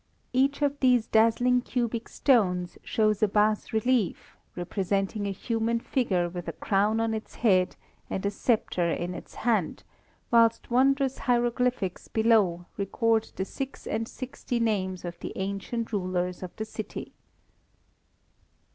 Each of these dazzling cubic stones shows a bas relief representing a human figure with a crown on its head, and a sceptre in its hand, whilst wondrous hieroglyphics below record the six and sixty names of the ancient rulers of the city.